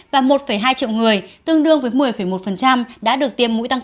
và một hai triệu người tương đương với một mươi một đã được tiêm mũi tăng